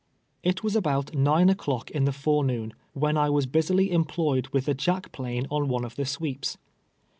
It was about nine o'clock in the forenoon, Avhen I was busily employed with the jack plane on one of the sweeps.